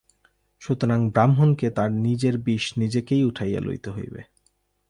সুতরাং ব্রাহ্মণকে তাঁহার নিজের বিষ নিজেকেই উঠাইয়া লইতে হইবে।